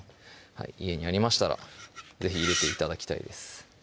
家にありましたら是非入れて頂きたいです